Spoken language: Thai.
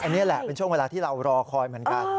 อันนี้แหละเป็นช่วงเวลาที่เรารอคอยเหมือนกัน